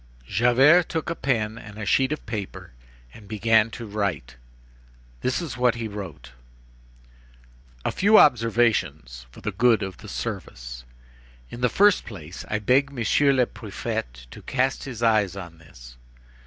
Javert took a pen and a sheet of paper, and began to write. This is what he wrote: A FEW OBSERVATIONS FOR THE GOOD OF THE SERVICE. "In the first place: I beg Monsieur le Préfet to cast his eyes on this.